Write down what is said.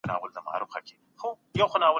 جنسي کمزوري په نارینه او ښځو کې رامنځ ته کېږي.